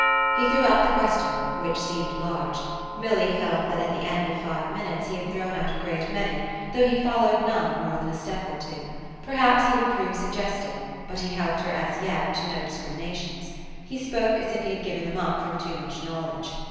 He threw out the question, which seemed large; Milly felt that at the end of five minutes he had thrown out a great many, though he followed none more than a step or two; perhaps he would prove suggestive, but he helped her as yet to no discriminations: he spoke as if he had given them up from too much knowledge.